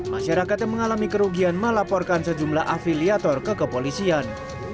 masyarakat yang mengalami kerugian melaporkan sejumlah afiliator ke kepolisian